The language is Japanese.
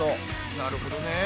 なるほどね。